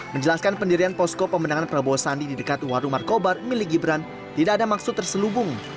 menjelaskan pendirian posko pemenangan prabowo sandi di dekat warung markobar milik gibran tidak ada maksud terselubung